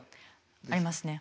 ありますね。